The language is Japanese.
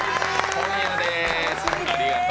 今夜です。